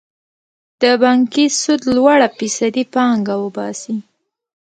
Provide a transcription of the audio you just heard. د بانکي سود لوړه فیصدي پانګه وباسي.